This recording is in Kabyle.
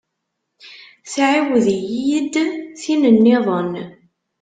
Tɛiwed-iyi-d tin nniḍen.